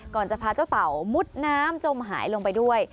จะพาเจ้าเต่ามุดน้ำจมหายลงไปด้วย